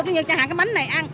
như chẳng hạn cái bánh này ăn